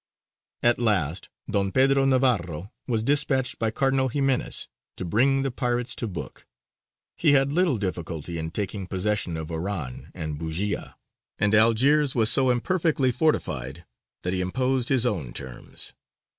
At last Don Pedro Navarro was despatched by Cardinal Ximenes to bring the pirates to book. He had little difficulty in taking possession of Oran and Bujēya; and Algiers was so imperfectly fortified, that he imposed his own terms.